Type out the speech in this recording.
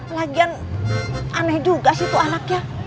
lagian aneh juga sih tuh anaknya